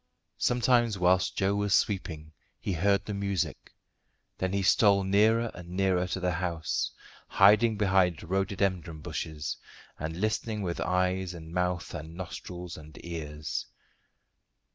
Sometimes whilst Joe was sweeping he heard the music; then he stole nearer and nearer to the house, hiding behind rhododendron bushes, and listening with eyes and mouth and nostrils and ears.